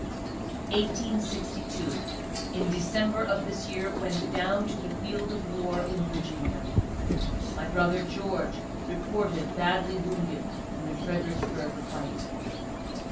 1862. — In December of this year went down to the field of War in Virginia. My brother George reported badly wounded in the Fredericksburgh fight.